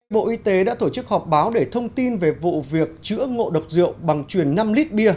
bộ y tế đã tổ chức họp báo để thông tin về vụ việc chữa ngộ độc rượu bằng truyền năm lít bia